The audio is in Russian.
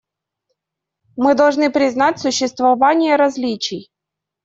Мы должны признать существование различий.